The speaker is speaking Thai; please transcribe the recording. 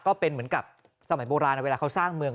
ก็เป็นเหมือนกับสมัยโบราณเวลาเขาสร้างเมือง